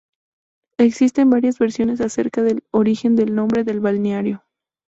Existen varias versiones acerca del origen del nombre del balneario.